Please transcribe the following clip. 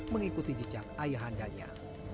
mengikuti jejak ayahandanya